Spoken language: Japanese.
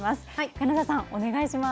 金沢さん、お願いします。